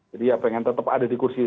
jadi ya pengen tetap ada di kursi